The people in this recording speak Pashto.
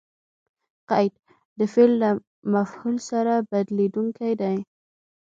قید؛ د فعل له مفهوم سره بدلېدونکی دئ.